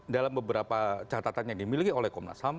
dalam beberapa catatan yang dimiliki oleh komnas ham